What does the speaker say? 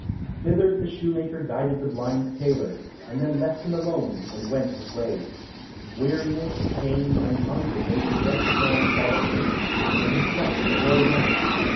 Thither the shoemaker guided the blind tailor, and then left him alone and went his way. Weariness, pain, and hunger made the wretched man fall asleep, and he slept the whole night.